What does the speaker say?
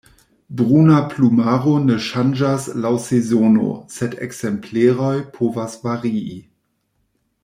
Bruna plumaro ne ŝanĝas laŭ sezono, sed ekzempleroj povas varii.